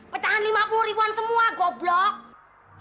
pecahan lima puluh ribuan semua goblok